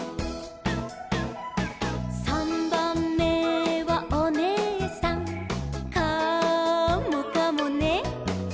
「さんばんめはおねえさん」「カモかもね」